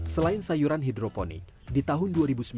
selain sayuran hidroponik di tahun dua ribu sembilan